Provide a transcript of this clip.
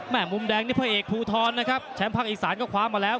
แม่มุมแดงนี่เพราะเอกภูทรนะครับแชมป์ภักดิ์อีก๓ก็ขวามาแล้ว